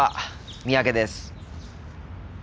三宅です。